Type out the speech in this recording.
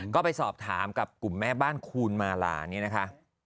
ก็ไปสอบถามกับกลุ่มแม่บ้านคูณมาลานี่นะคะ